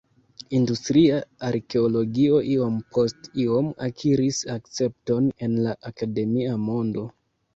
Industria arkeologio iom post iom akiris akcepton en la akademia mondo.